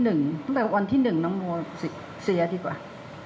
ตั้งแต่วันที่๑น้องโมเสียดีกว่า